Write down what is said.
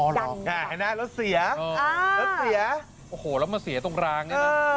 อ๋อหรอดันอ่าไงนะรถเสียอ่ะอ่ารถเสียโอ้โหแล้วมันเสียตรงรางนี่นะ